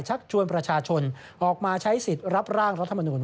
ชักชวนประชาชนออกมาใช้สิทธิ์รับร่างรัฐมนุน